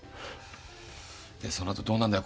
でその後どうなるんだよ？